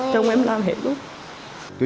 trông em làm hết luôn